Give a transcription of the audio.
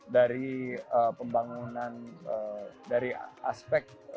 dari pembangunan dari aspek